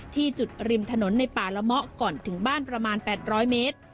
ที่จุดริมถนนในป่าละเมาะก่อนถึงบ้านประมาณ๘๐๐เมตร